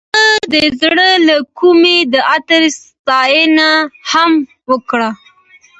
هغې د زړه له کومې د عطر ستاینه هم وکړه.